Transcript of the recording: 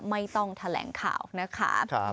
ไม่ต้องแถลงข่าวนะคะ